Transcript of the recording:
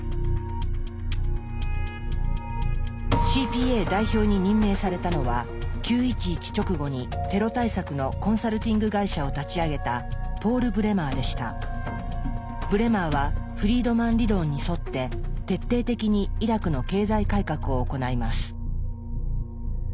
ＣＰＡ代表に任命されたのは９．１１直後にテロ対策のコンサルティング会社を立ち上げたブレマーはフリードマン理論に沿って徹底的にイラクの経済改革を行います。